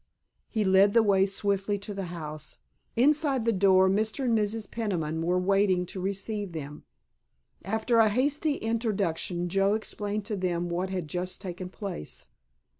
He led the way swiftly to the house. Inside the door Mr. and Mrs. Peniman were waiting to receive them. After a hasty introduction Joe explained to them what had just taken place.